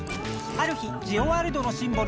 ある日ジオワールドのシンボル